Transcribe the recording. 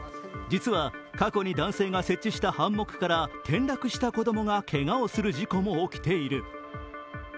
実は、過去に男性が設置したハンモックから転落した子供がけがをする事故も起きている。